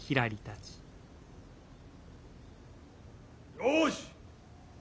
よし。